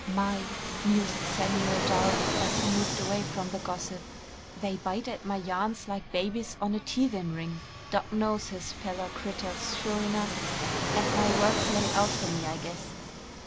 "My!" mused Samuel Doran as he moved away from the gossip. "They bite at my yarns like babies on a teethin' ring. Doc. knows his fellow critters, sure enough, and my work's laid out for me, I guess."